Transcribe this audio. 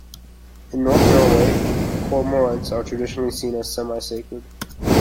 In North Norway, cormorants are traditionally seen as semi-sacred.